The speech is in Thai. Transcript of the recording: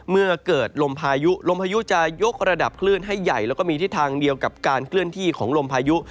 เมื่อเกิดลมพายุลมพายุจะยกระดับคลื่นให้ใหญ่แล้วก็มีทิศทางเดียวกับการเคลื่อนที่ของลมพายุ